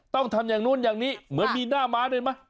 ต้องทำอย่างนู้นอย่างนี้เหมือนมีหน้าม้าด้วยไหม